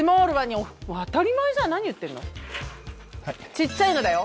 ちっちゃいのだよ